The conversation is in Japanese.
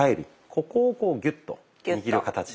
ここをこうギュッと握る形で。